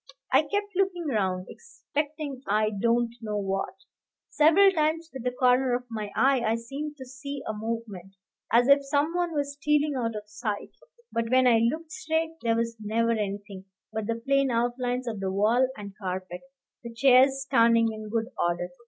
I kept looking round, expecting I don't know what; several times with the corner of my eye I seemed to see a movement, as if some one was stealing out of sight; but when I looked straight, there was never anything but the plain outlines of the wall and carpet, the chairs standing in good order.